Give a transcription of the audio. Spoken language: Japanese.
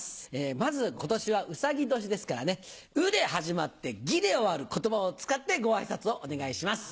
まず今年はうさぎ年ですからね「う」で始まって「ぎ」で終わる言葉を使ってご挨拶をお願いします。